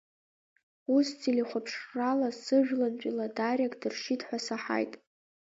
Ус телехәаԥшрала сыжәлантәи Ладариак дыршьит ҳәа саҳаит.